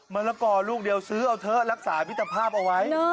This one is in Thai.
ละกอลูกเดียวซื้อเอาเถอะรักษามิตรภาพเอาไว้